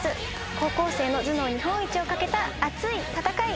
高校生の頭脳日本一を懸けた熱い戦い！